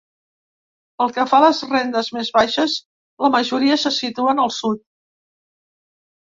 Pel que fa a les rendes més baixes, la majoria se situen al sud.